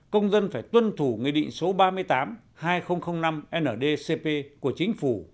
công dân phải tuân thủ nghị định số ba mươi tám hai nghìn năm nd cp của chính phủ